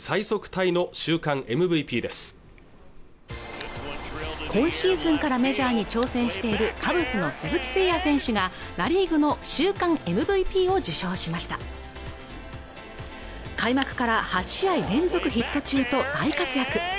タイの週間ＭＶＰです今シーズンからメジャーに挑戦しているカブスの鈴木誠也選手がナ・リーグの週間ＭＶＰを受賞しました開幕から８試合連続ヒット中と大活躍